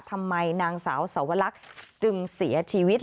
นางสาวสวรรคจึงเสียชีวิต